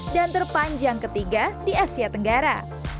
dan terpanjang ketiga di asia tenggara